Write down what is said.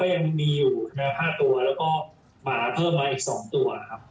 ยังมีอยู่นะครับ๕ตัวแล้วก็หมาเพิ่มมาอีก๒ตัวครับ